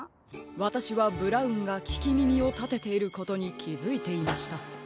わたしはブラウンがききみみをたてていることにきづいていました。